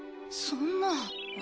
そんな。